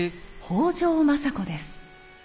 北条政子です。